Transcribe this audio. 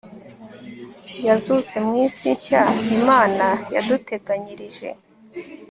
yazutse mu isi nshya imana yaduteganyirije